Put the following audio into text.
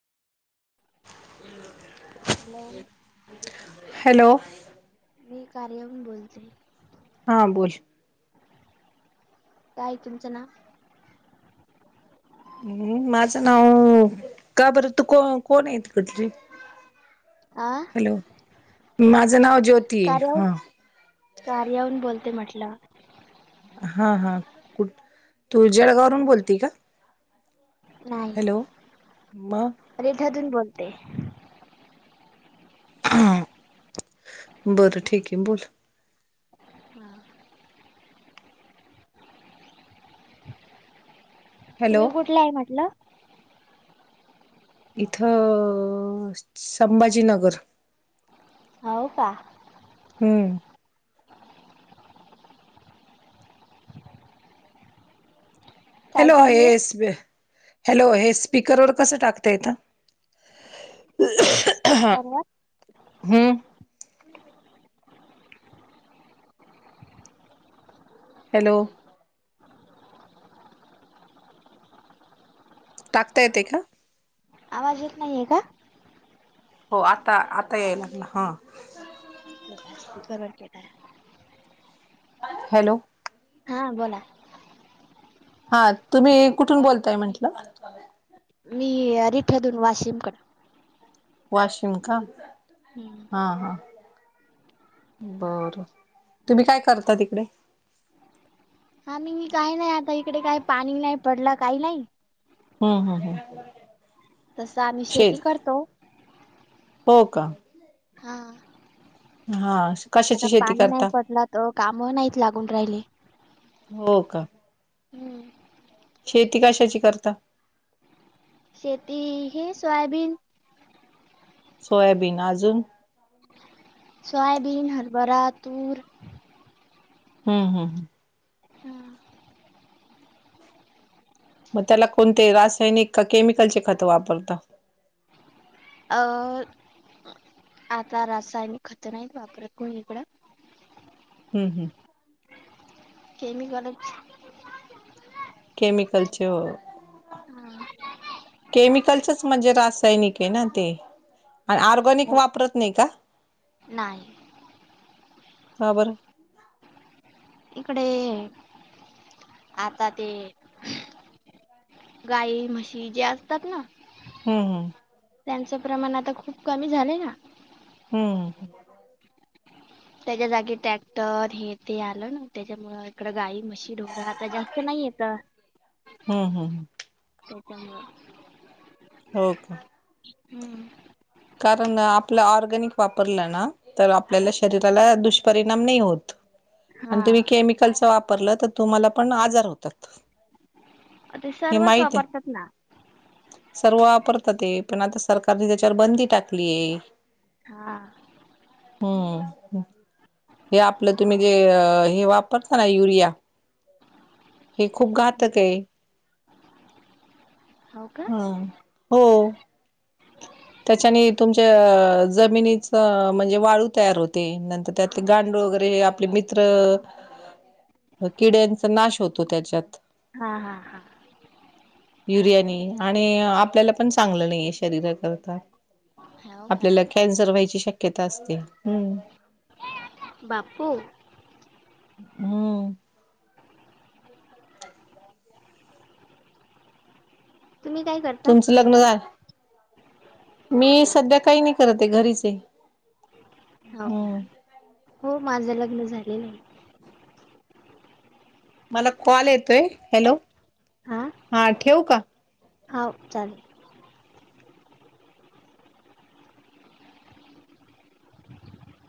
ह hello hello मी कार्यमून बोलते हा बोल काय तुमचं ना? हम्म माझं नाव का बरं तू को कोण आहे. तू कोण आहे कुठली आ हॅलो माझं नाव ज्योत कार्यावरून कार्यावरून बोलते म्हटलं! हा हा कुठ तू जळगाव वरून बोलते का! नाही हॅलो मग रिठातून बोलते. बरं ठीक आहे. बोल हम हॅलो तुम्ही कुठला आहे. म्हटलं इथं संभाजीनगर हो का. हम्म काय हॅलो चालू आहे हेस हॅलो हे स्पीकरवर कसं टाकत येत. स्पीकरवर हम्म हॅलो टाकता येते का? आवाज येत नाही आहे का? हो आता आता याय लागला हा केलाय स्पीकरवर केला आहे. हॅलो हा बोला हा तुम्ही कुठून बोलताय म्हंटलं? मी रिठदून वाशिम कर वाशिम का हा हा बरं तुम्ही काय करता तिकडे? हा मी काय नाही आता इकडे काय पाणी नाही पडला काही नाही. हम्म हम्म तसं आम्ही शेत शेती करतो. हो का हा हा आता कशाची शेती पाणी नाही करता पडला तर काम नाहीत लागून राहिले. हो का हम्म शेती कशाची करता? शेती हे सोयाबीन. सोयाबीन अजून सोयाबीन, हरभरा, तूर हम्म हम्म ह हम्म मग त्याला कोणते रासायनिक का केमिकलचे खतं वापरता? अ आता रासायनिक खत नाहीत वापरत कोणी इकडं हम्म हम्म केमिकलच केमिकलचे होय हा केमिकलचेच म्हणजे रासायनिक आहे ना ते पण हो वापरत नाही का? [unintelligible] नाही. का बरं? इकडे आता ते गाई म्हशी जे असतात ना हम्म हम्म त्यांचं प्रमाण आता खूप कमी झालंय ना. हम्म त्याच्या जागी ट्रॅक्टर हे ते आलं ना त्याच्यामुळे इकडं गाई म्हशी [unintelligible] आता जास्त नाही येत. हम्म हम्म [unintelligible] हो का हम्म कारण आपलं ऑरगॅनिक वापरलं ना तर आपल्याला शरीराला दुष्परिणाम नाही होत. हा आणि तुम्ही केमिकलच वापरलं तर तुम्हाला पण आजार होतात. ते हे सर्वच माहित आहे. वापरतात ना. सर्व वापरतात ते पण आता सरकारने त्याच्यावर बंदी टाकलीय. हा हम्म हे आपलं तुम्ही जे हे वापरता ना युरिया हे खूप घातक आहे. [inaudible] हम्म हो ह [inaudible] त्याच्याने तुमच्या जमिनीचं म्हणजे वाळू तयार होते नंतर त्यात गांडूळ वगैरे आपले मित्र [inaudible] किड्यांचा नाश होतो त्याच्यात. हा हा हा युरियानी आणि आपल्याला पण चांगलं नाही आहे शरीराकरता. हो का आपल्याला कॅन्सर व्हायची शक्यता असते. हम् बापू हम्म तुम्ही काय करता तुमचं लग्न झाल. मी सध्या काही नाही करत आहे घरीचे. हो का, हो माझं लग्न झालेलं. मला कॉल येतोय हॅलो. हा हा ठेवू का. हा हो चालेल.